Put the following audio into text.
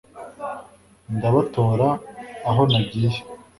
ndabatora aho nagiye